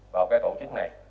vào cái tổ chức này